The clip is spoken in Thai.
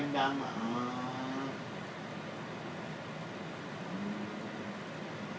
เออตัวดำดำอีก